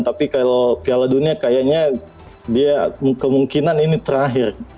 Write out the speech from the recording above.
tapi kalau piala dunia kayaknya dia kemungkinan ini terakhir